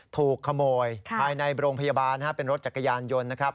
ถูกขโมยภายในโรงพยาบาลเป็นรถจักรยานยนต์นะครับ